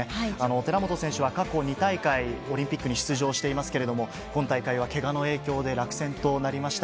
寺本選手は過去２大会、オリンピックに出場していますけれども、今大会はけがの影響で、落選となりました。